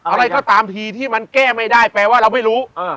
อะไรก็ตามทีที่มันแก้ไม่ได้แปลว่าเราไม่รู้